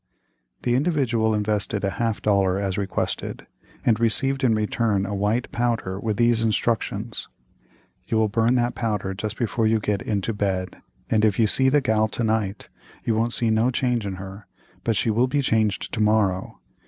The Individual invested a half dollar as requested, and received in return a white powder with these instructions;— "You will burn that powder just before you get into bed, and if you see the gal to night you won't see no change in her, but she will be changed to morrow.